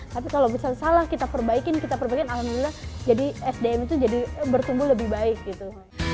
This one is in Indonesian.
tapi kalau misalnya salah kita perbaikin kita perbaikin alhamdulillah jadi sdm itu jadi bertumbuh lebih baik gitu